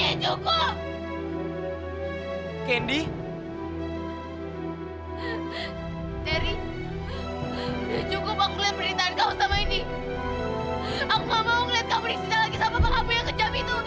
aku nggak mau lihat kamu disini lagi sama pak abu yang kejam itu